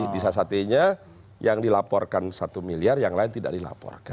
disasatinya yang dilaporkan satu miliar yang lain tidak dilaporkan